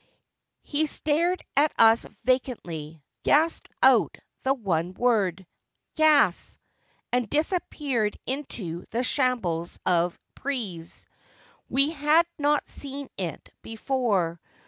He stared at us vacantly, gasped out the one word, " Gas," and disappeared into the shambles of Ypres. We had not seen it before.